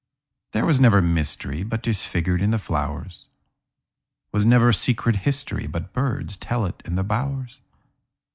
There was never mysteryBut 'tis figured in the flowers; SWas never secret historyBut birds tell it in the bowers.